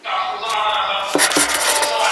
د تاریخ پاڼې زموږ د تېر داستان دی.